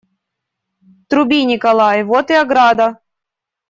Труби, Николай, вот и ограда.